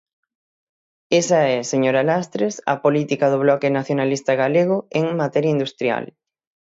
Esa é, señora Lastres, a política do Bloque Nacionalista Galego en materia industrial.